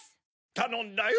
たのんだよ。